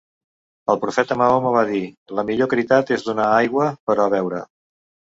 El profeta Mahoma va dir "La millor caritat és donar aigua per a beure".